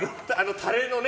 タレのね。